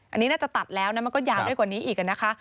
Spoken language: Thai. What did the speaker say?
อันนี้น่าจะตัดแล้วนะมันก็ยาวได้กว่านี้อีกนะคะ